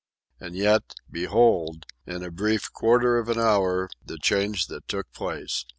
And yet, behold, in a brief quarter of an hour, the change that took place.